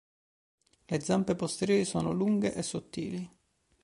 Le zampe posteriori sono lunghe e sottili.